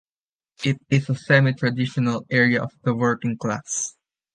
It is a semi-traditional area of the working class.